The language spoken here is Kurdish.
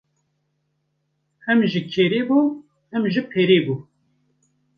Him ji kerê bû him ji perê bû.